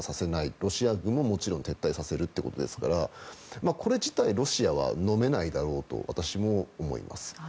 ロシア軍ももちろん撤退させるということですからこれ自体、ロシアはのめないだろうと私も思います。